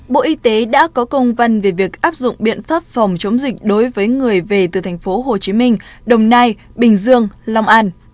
bộ y tế đã có công văn về việc áp dụng biện pháp phòng chống dịch đối với người về từ thành phố hồ chí minh đồng nai bình dương long an